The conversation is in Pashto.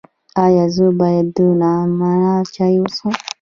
ایا زه باید د نعناع چای وڅښم؟